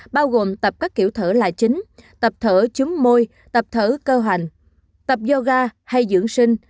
bao gồm tập các kiểu thở là chính tập thở chúng môi tập thở cơ hành tập yoga hay dưỡng sinh